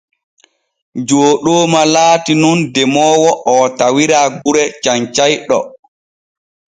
Jooɗooma laati nun demoowo oo tawira gure Cancayɗo.